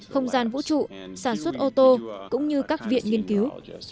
không gian vũ trụ sản xuất ô tô cũng như các viện nghiên cứu